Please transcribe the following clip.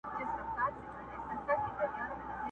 قصیدو ته ځان تیار کړ شاعرانو؛